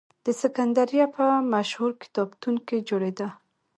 د سکندریه په مشهور کتابتون کې جوړېده.